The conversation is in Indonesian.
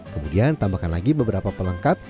kemudian tambahkan lagi beberapa pelengkap